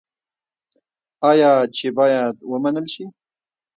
آیا چې باید ومنل شي؟